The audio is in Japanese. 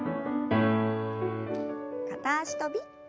片脚跳び。